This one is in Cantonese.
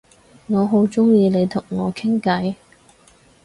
我好鍾意你同我傾偈